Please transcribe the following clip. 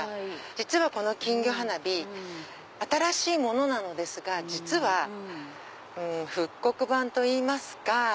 この金魚花火新しいものなんですが実は復刻版といいますか。